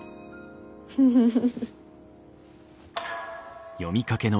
フフフフ。